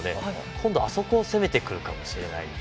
今度はあそこを攻めてくるかもしれない。